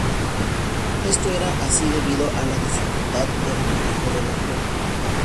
Esto era así debido a la dificultad del manejo de la pelota.